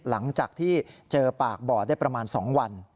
หลังจากที่เจอปากบ่อได้ประมาณ๒วัน